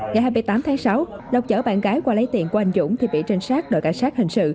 ngày hai mươi tám tháng sáu lộc chở bạn gái qua lấy tiền của anh dũng thì bị trinh sát đội cảnh sát hình sự